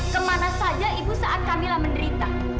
kemana saja ibu saat kamila menderita